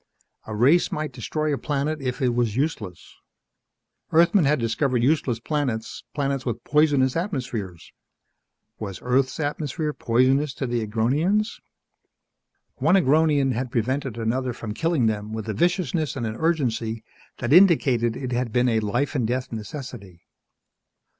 A race might destroy a planet if it was useless. Earthmen had discovered useless planets, planets with poisonous atmospheres. Was Earth's atmosphere poisonous to the Agronians? One Agronian had prevented another from killing them with a viciousness and an urgency that indicated it had been a life and death necessity.